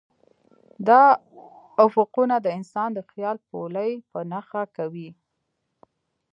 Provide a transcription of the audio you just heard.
دا افقونه د انسان د خیال پولې په نښه کوي.